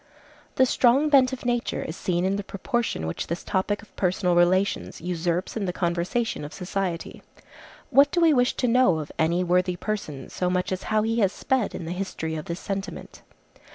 The strong bent of nature is seen in the proportion which this topic of personal relations usurps in the conversation of society. What do we wish to know of any worthy person so much, as how he has sped in the history of this sentiment?